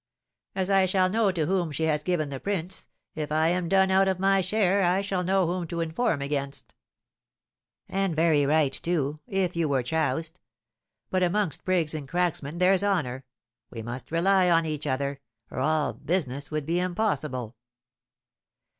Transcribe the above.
"As I shall know to whom she has given the prints, if I am done out of my share I shall know whom to inform against." "And very right, too, if you were choused; but amongst prigs and cracksmen there's honour, we must rely on each other, or all business would be impossible."